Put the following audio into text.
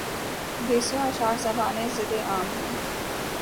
بیسیوں اشعار زبانِ زدِ عام ہیں